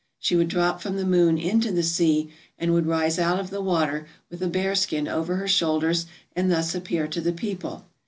She would drop from the moon into the sea and would rise out of the water with a bearskin over her shoulders and thus appear to the people.